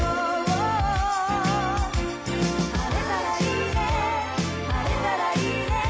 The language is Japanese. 「晴れたらいいね晴れたらいいね」